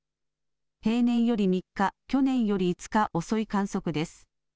平年より３日去年より５日、遅い観測です。